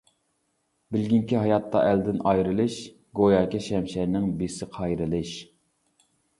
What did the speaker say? بىلگىنكى ھاياتتا ئەلدىن ئايرىلىش، گوياكى شەمشەرنىڭ بىسى قايرىلىش.